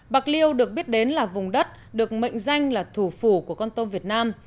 bạc liêu được biết đến là vùng đất được mệnh danh là thủ phủ của con tôm việt nam